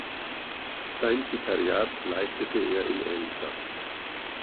Sein Vikariat leistete er im Elsass.